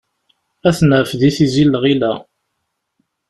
Ad t-naf, di tizi n lɣila.